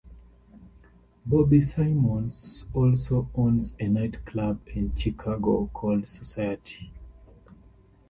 Bobby Simmons also owns a nightclub in Chicago called Society.